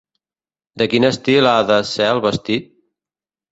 De quin estil ha de ser el vestit?